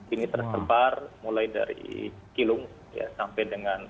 ini tersebar mulai dari kilung sampai dengan